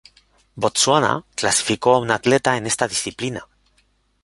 Botsuana clasificó a un atleta en esta disciplina.